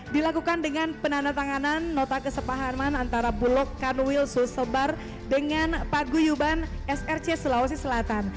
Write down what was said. dilakukan dengan penandatanganan nota kesepahaman antara bulog kanwil susebar dengan paguyuban src sulawesi selatan